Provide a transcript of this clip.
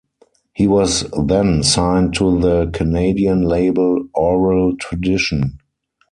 He was then signed to the Canadian label Aural Tradition.